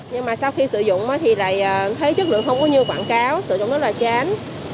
nhưng mà sau khi sử dụng thì lại thấy chất lượng không có như quảng cáo sử dụng rất là chán